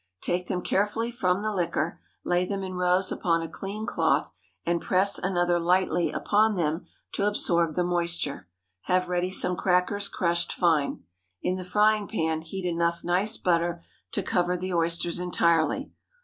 Take them carefully from the liquor; lay them in rows upon a clean cloth, and press another lightly upon them to absorb the moisture. Have ready some crackers crushed fine. In the frying pan heat enough nice butter to cover the oysters entirely.